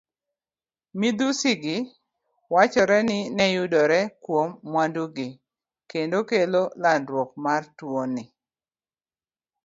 Midhusigi wachore ni neyudore kuom mwandugi kendo kelo landruok mar tuoni.